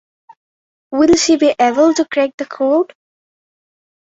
Will she be able to crack the code?